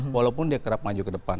walaupun dia kerap maju ke depan